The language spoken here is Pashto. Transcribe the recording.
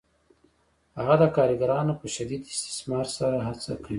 هغه د کارګرانو په شدید استثمار سره هڅه کوي